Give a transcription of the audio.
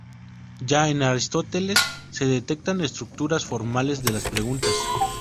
Ya en Aristóteles se detectan estructuras formales de las preguntas.